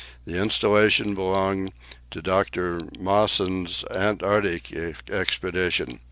The installation belonged to Dr. Mawson's Antarctic expedition.